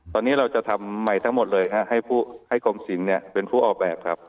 ตอนนี้เราจะทำใหม่ทั้งหมดเลยให้กรมศิลป์เป็นผู้ออกแบบครับ